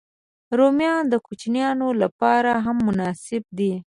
رومیان د کوچنيانو لپاره هم مناسب دي